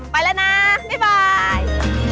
ไปละนะบ๊ายบาย